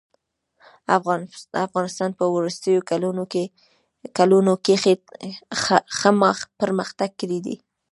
افغانستان په وروستيو کلونو کښي ښه پرمختګ کړی دئ.